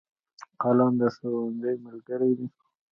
قلم د ښوونځي ملګری دی.